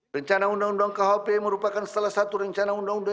rencana undang undang khp merupakan salah satu rencana undang undang